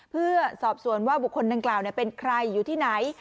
เพื่อสอบสวนว่าบุคคลดังกล่าวเป็นใครอยู่ที่ไหน